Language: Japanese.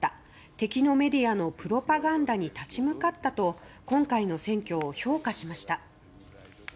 敵のメディアのプロパガンダに立ち向かったと今回の選挙を評価しました。